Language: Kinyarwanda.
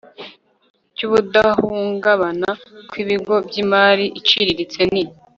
cy ubudahungabana kw ibigo by imari iciriritse ni